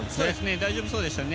大丈夫そうでしたね。